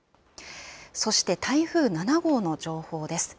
そして台風７号の状況です。